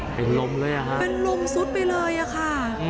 เป็นลมเลยอ่ะฮะเป็นลมซุดไปเลยอะค่ะ